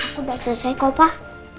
aku udah selesai kok pak